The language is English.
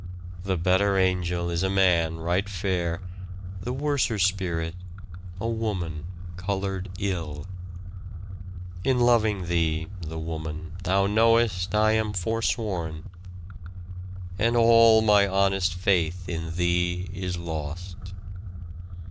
The better angel is a man right fair. The worser spirit, a woman, coloured ill." " In loving thee (the woman) thou knowest I am forsworn, And all my honest faith in thee is lost."